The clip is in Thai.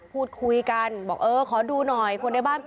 พ่อหยิบมีดมาขู่จะทำร้ายแม่